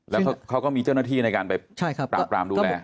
แล้วเขาก็มีเจ้าหน้าที่ในการไปปราบปรามดูแล